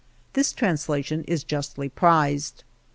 This translation is just ly prized.